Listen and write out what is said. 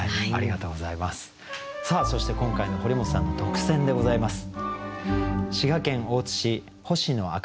さあそして今回の堀本さんの特選でございます。